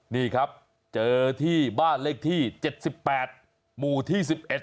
นี่ครับเจอที่บ้านเลขที่๗๘หมู่ที่๑๑